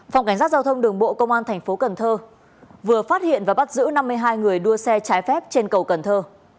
phòng cảnh sát giao thông đường bộ công an thành phố cần thơ vừa phát hiện và bắt giữ năm mươi hai người đua xe trái phép trên cầu cần thơ